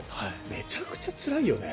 めちゃくちゃつらいよね。